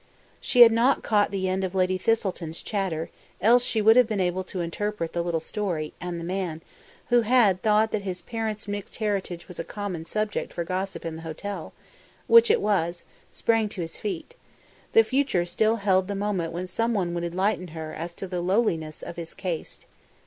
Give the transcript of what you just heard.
She had not caught the end of Lady Thistleton's chatter, else would she have been able to interpret the little story, and the man, who had thought that his parents' mixed marriage was a common subject for gossip in the hotel which it was sprang to his feet, The future still held the moment when someone would enlighten her as to the lowliness of his caste.